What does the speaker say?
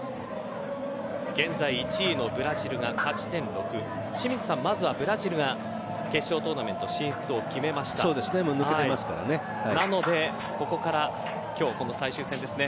現在１位のブラジルが勝ち点６清水さん、まずはブラジルが決勝トーナメント進出をそうですねなので、ここから今日、この最終戦ですね。